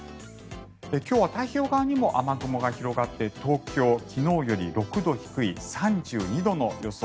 今日は太平洋側にも雨雲が広がって東京、昨日より６度低い３２度の予想。